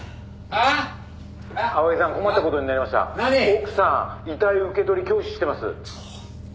「奥さん遺体受け取り拒否してます」